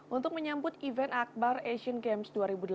untuk menyambut event akbar asian games dua ribu delapan belas